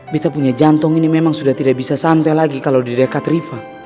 kita punya jantung ini memang sudah tidak bisa santai lagi kalau di dekat riva